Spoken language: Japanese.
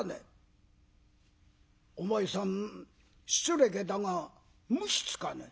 「お前さん失礼だが無筆かね？」。